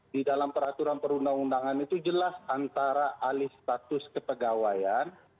di dalam peraturan perundang undangan itu jelas antara alih status kepegawaian